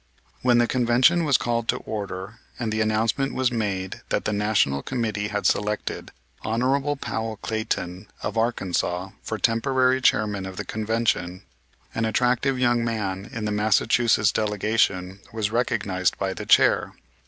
When the Convention was called to order, and the announcement was made that the National Committee had selected Hon. Powell Clayton, of Arkansas, for temporary chairman of the Convention, an attractive young man in the Massachusetts delegation was recognized by the chair.